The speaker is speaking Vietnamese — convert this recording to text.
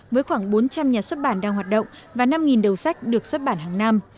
với khoảng bốn trăm linh nhà xuất bản đang hoạt động và năm đầu sách được xuất bản hàng năm